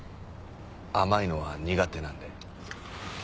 甘いのは苦手なので。